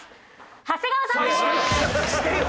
長谷川さんです！